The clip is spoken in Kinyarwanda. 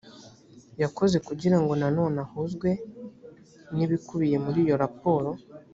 yakoze kugirango na none ahuzwe n ‘ibikubiye muri iyo raporo